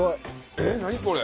えっ何これ？